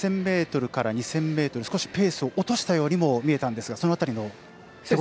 １０００ｍから２０００ｍペースを落としたようにも見えたんですがその辺りは。